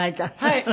はい！